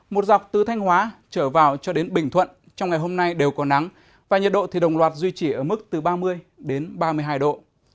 một dọc từ thanh hóa trở vào cho đến bình thuận trong ngày hôm nay đều có nắng và nhiệt độ thì đồng loạt duy trì ở mức từ ba mươi đến ba mươi hai độ